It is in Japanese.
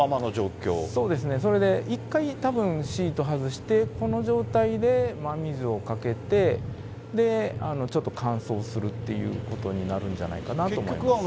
それで１回、たぶん、シート外して、この状態で真水をかけて、ちょっと乾燥するっていうことになるんじゃないかなと思います。